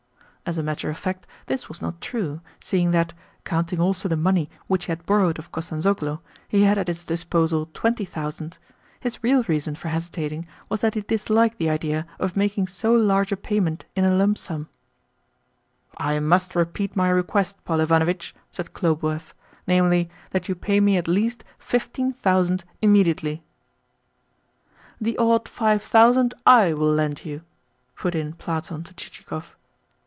As a matter of fact, this was not true, seeing that, counting also the money which he had borrowed of Kostanzhoglo, he had at his disposal TWENTY thousand. His real reason for hesitating was that he disliked the idea of making so large a payment in a lump sum. "I must repeat my request, Paul Ivanovitch," said Khlobuev, " namely, that you pay me at least fifteen thousand immediately." "The odd five thousand I will lend you," put in Platon to Chichikov.